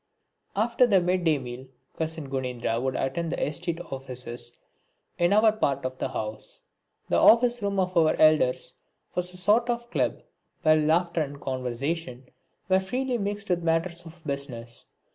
After the mid day meal cousin Gunendra would attend the estate offices in our part of the house. The office room of our elders was a sort of club where laughter and conversation were freely mixed with matters of business.